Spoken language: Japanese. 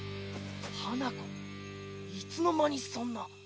花子いつの間にそんな。